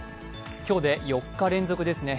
今日で４日連続ですね。